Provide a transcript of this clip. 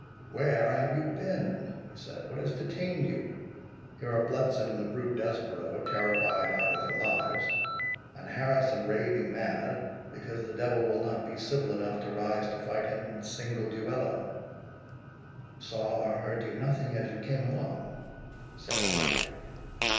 "Where have you been?" he said—"What has detained you?—Here are Bletson and the brute Desborough terrified out of their lives, and Harrison raving mad, because the devil will not be civil enough to rise to fight him in single duello." "Saw or heard you nothing as you came along?" said Everard.